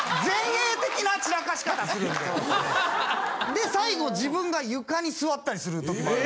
で最後自分が床に座ったりする時もある。